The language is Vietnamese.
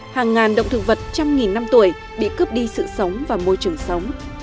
hàng ngàn động thực vật trăm nghìn năm tuổi bị cướp đi sự sống và môi trường sống